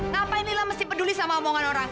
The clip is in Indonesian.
ngapain inilah mesti peduli sama omongan orang